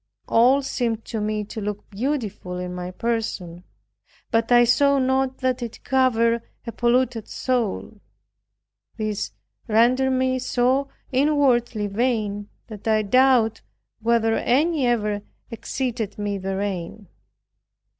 All seemed to me to look beautiful in my person, but I saw not that it covered a polluted soul. This rendered me so inwardly vain, that I doubt whether any ever exceeded me therein.